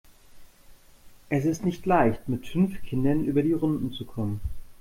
Es ist nicht leicht, mit fünf Kindern über die Runden zu kommen.